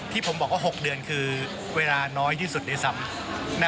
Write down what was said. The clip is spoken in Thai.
ที่ผมบอกว่า๖เดือนคือเวลาน้อยที่สุดด้วยซ้ำ